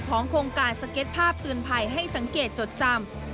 โครงการสเก็ตภาพเตือนภัยให้สังเกตจดจำ